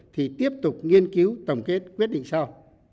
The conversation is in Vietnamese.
thì tiếp tục nghiên cứu tổng kết quyết định sau